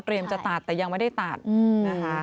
จะตัดแต่ยังไม่ได้ตัดนะคะ